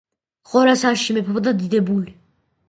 ხორასანში მეფობდა დიდებული,